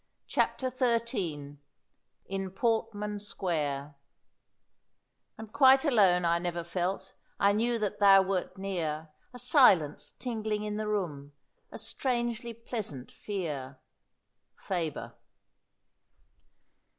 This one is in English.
CHAPTER XIII IN PORTMAN SQUARE "And quite alone I never felt, I knew that Thou wert near, A silence tingling in the room, A strangely pleasant fear." FABER.